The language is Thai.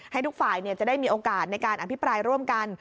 ให้ทุกฝ่ายจะได้มีโอกาสในการอภิปรายร่วมกัน